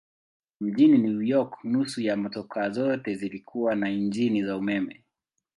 Mjini New York nusu ya motokaa zote zilikuwa na injini ya umeme.